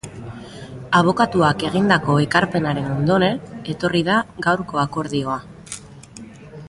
Abokatuak egindako ekarpenaren ondoren etorri da gaurko akordioa.